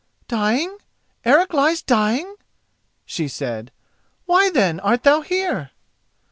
"Dying?—Eric lies dying?" she said. "Why, then, art thou here?"